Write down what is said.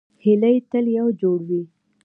هیلۍ تل یو جوړ وي